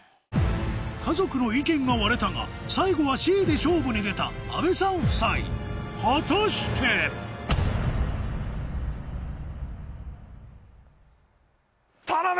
家族の意見が割れたが最後はＣで勝負に出た阿部さん夫妻果たして⁉頼む！